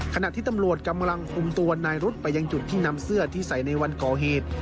ขณะที่ตำรวจกำลังคุมตัวนายรุฑไปยังจุดที่นำเสื้อที่ใส่ในวันก่อเหตุ